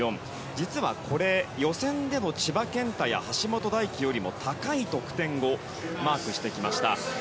実はこれ予選での千葉健太や橋本大輝よりも高い得点をマークしてきました。